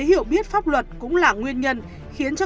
hiểu biết pháp luật cũng là nguyên nhân khiến cho